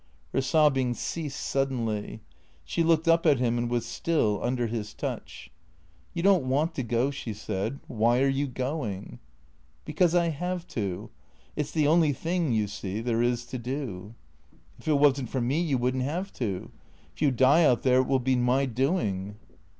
Her sobbing ceased suddenly. She looked up at him and was still, under his touch. "You don't want to go," she said. "Why are you going?" " Because I have to. It 's the only thing, you see, there is to do." " If it was n't for me you would n't have to. If you die out there it will be my doing."